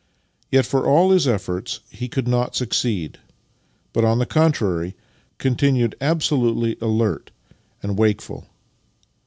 Yet, for all his efforts, he could not succeed, but, on the con trary, continued absolutely alert and wakeful.